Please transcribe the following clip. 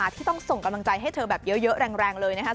ที่ต้องส่งกำลังใจให้เธอแบบเยอะแรงเลยนะครับ